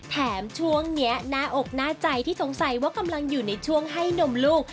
แถมช่วงนี้หน้าอกหน้าใจที่สงสัยว่ากำลังอยู่ในช่วงให้นมลูก